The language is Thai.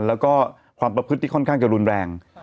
แล้วก็ความประพฤติที่ค่อนข้างจะรุนแรง